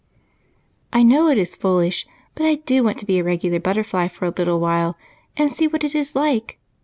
"I know it is foolish, but I do want to be a regular butterfly for a little while and see what it is like.